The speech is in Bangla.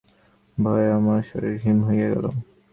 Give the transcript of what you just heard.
ভয়ে আমার শরীর হিম হইয়া গেল।